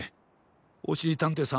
おしりたんていさん